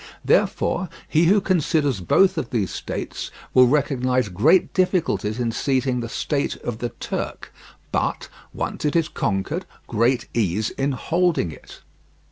Therefore, he who considers both of these states will recognize great difficulties in seizing the state of the Turk, but, once it is conquered, great ease in holding it.